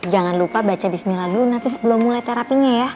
jangan lupa baca bismillah dulu nanti sebelum mulai terapinya ya